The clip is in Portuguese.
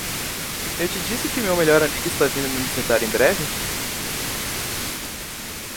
Eu te disse que meu melhor amigo está vindo me visitar em breve?